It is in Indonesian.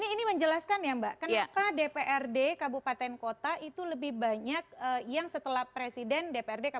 ini menjelaskan ya mbak kenapa dprd kabupaten kota itu lebih banyak yang setelah presiden dprd kabupaten